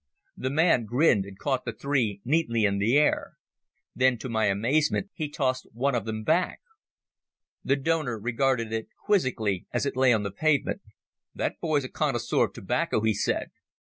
The man grinned and caught the three neatly in the air. Then to my amazement he tossed one of them back. The donor regarded it quizzically as it lay on the pavement. "That boy's a connoisseur of tobacco," he said.